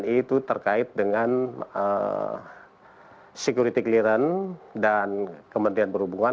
itu yang pertama